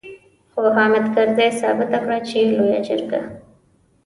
خو حامد کرزي ثابته کړه چې لويه جرګه.